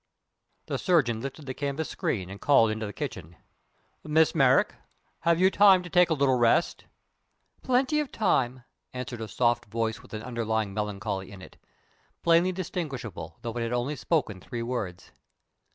The surgeon lifted the canvas screen and called into the kitchen: "Miss Merrick, have you time to take a little rest?" "Plenty of time," answered a soft voice with an underlying melancholy in it, plainly distinguishable though it had only spoken three words.